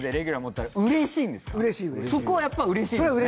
そこはやっぱ嬉しいんですね。